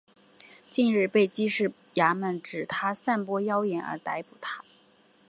近日被缉事衙门指他散播妖言而逮捕他。